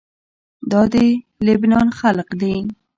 دا د لبنان خلق دي.